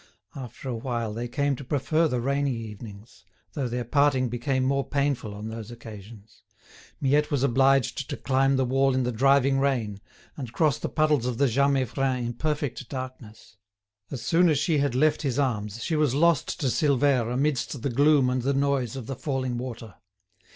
After a while they came to prefer the rainy evenings, though their parting became more painful on those occasions. Miette was obliged to climb the wall in the driving rain, and cross the puddles of the Jas Meiffren in perfect darkness. As soon as she had left his arms, she was lost to Silvère amidst the gloom and the noise of the falling water.